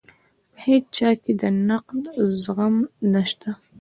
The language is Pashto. په هیچا کې د نقد زغم نشته.